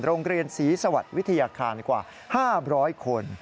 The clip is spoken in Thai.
โรงเรียนศรีสวัสดิ์วิทยาคารกว่า๕๐๐คน